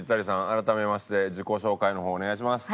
改めまして自己紹介の方お願いします。